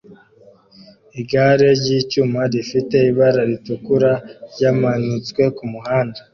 Igare ryicyuma rifite ibara ritukura ryamanitswe kumuhanda